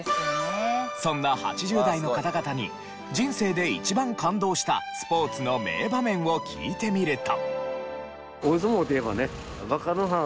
そんな８０代の方々に人生で一番感動したスポーツの名場面を聞いてみると。